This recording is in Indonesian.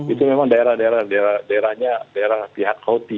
itu memang daerah daerah pihak houthi